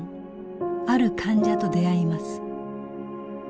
ある患者と出会います。